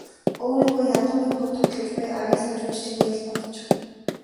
Өөрийгөө ядуугийн дүрд тоглож буй авъяаслагжүжигчин гээд л бодчих.